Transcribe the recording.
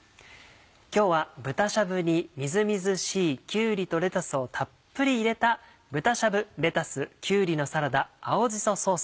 今日は豚しゃぶにみずみずしいきゅうりとレタスをたっぷり入れた「豚しゃぶレタスきゅうりのサラダ青じそソース」。